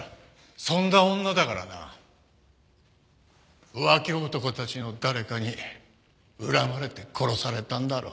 そんな女だからな浮気男たちの誰かに恨まれて殺されたんだろう。